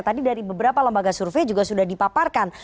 tadi dari beberapa lembaga survei juga sudah dipaparkan